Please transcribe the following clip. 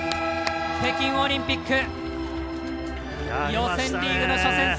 北京オリンピック予選リーグの初戦